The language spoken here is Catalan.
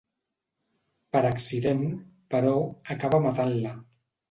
Per accident, però, acaba matant-la.